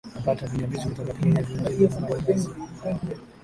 amepata pingamizi kutoka pengine viongozi wanaofanya kazi naoa